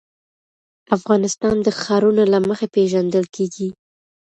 افغانستان د ښارونه له مخې پېژندل کېږي.